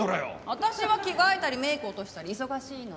私は着替えたりメイク落としたり忙しいの。